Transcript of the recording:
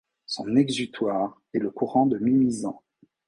Son exutoire est le courant de Mimizan.